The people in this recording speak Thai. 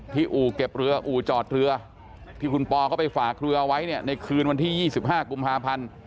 อู่เก็บเรืออู่จอดเรือที่คุณปอเขาไปฝากเรือไว้เนี่ยในคืนวันที่๒๕กุมภาพันธ์